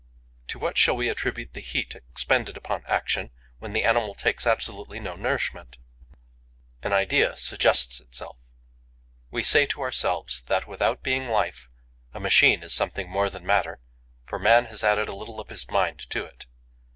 To what shall we attribute the heat expended upon action, when the animal takes absolutely no nourishment? An idea suggests itself. We say to ourselves that, without being life, a machine is something more than matter, for man has added a little of his mind to it.